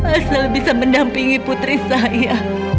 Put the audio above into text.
asal bisa mendampingi putri saya